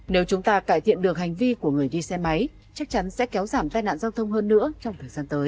nếu chúng ta cải thiện được hành vi của người đi xe máy chắc chắn sẽ kéo giảm tai nạn giao thông hơn nữa trong thời gian tới